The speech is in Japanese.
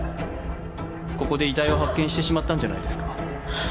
ここで遺体を発見してしまったんじゃないですか。